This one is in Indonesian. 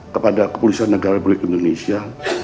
kepada kepolisian negara republik indonesia